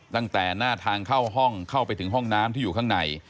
ตั้งแต่หน้าทางเข้าห้องเข้าไปถึงห้องน้ำที่อยู่ข้างใน